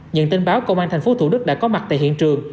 nhận tin báo công an thành phố thủ đức đã có mặt tại hiện trường